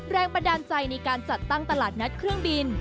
แรงบันดาลใจในการจัดตั้งตลาดนัดเครื่องบิน